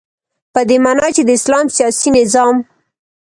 په دی معنا چی د اسلام سیاسی نظام